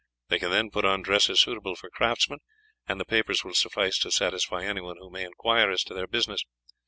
They can then put on dresses suitable for craftsmen, and the papers will suffice to satisfy anyone who may inquire as to their business.